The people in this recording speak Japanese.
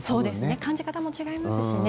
感じ方が違いますからね。